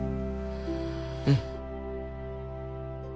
うん。